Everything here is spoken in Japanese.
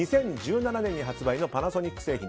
２０１７年に発売のパナソニック製品。